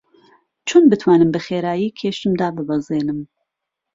چۆن بتوانم بەخێرایی کێشم داببەزێنم؟